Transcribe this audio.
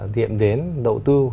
điểm đến đầu tư